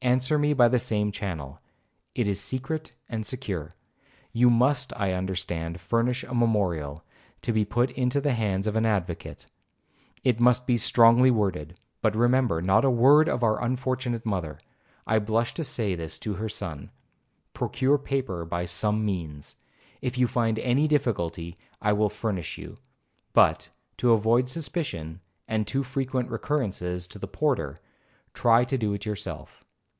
Answer me by the same channel, it is secret and secure. You must, I understand, furnish a memorial, to be put into the hands of an advocate. It must be strongly worded,—but remember, not a word of our unfortunate mother;—I blush to say this to her son. Procure paper by some means. If you find any difficulty, I will furnish you; but, to avoid suspicion, and too frequent recurrences to the porter, try to do it yourself.